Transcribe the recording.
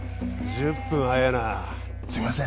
１０分早えなすいません